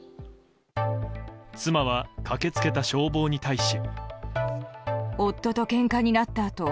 妻は駆け付けた消防に対し。